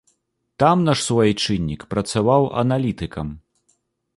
Там наш суайчыннік працаваў аналітыкам.